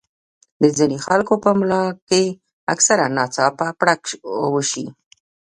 د ځينې خلکو پۀ ملا کښې اکثر ناڅاپه پړق اوشي